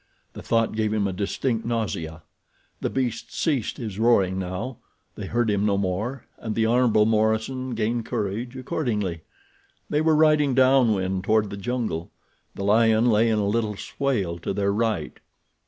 The thought gave him a distinct nausea. The beast ceased his roaring now. They heard him no more and the Hon. Morison gained courage accordingly. They were riding down wind toward the jungle. The lion lay in a little swale to their right.